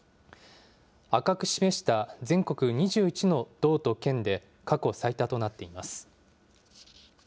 赤く示した全国２１の道と県で過去最多となっています。